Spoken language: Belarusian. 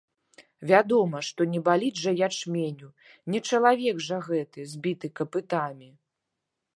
Вядома, што не баліць жа ячменю, не чалавек жа гэта, збіты капытамі.